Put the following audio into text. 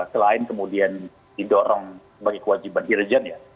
selain kemudian didorong sebagai kewajiban irjen ya